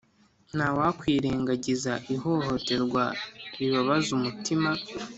nta wakwirengagiza ihohoterwa ribabaza umutima